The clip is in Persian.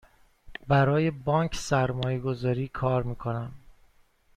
برای بانک سرمایه گذاری کار می کنم.